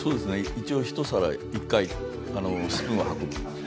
一応一皿１回スプーンは運ぶ。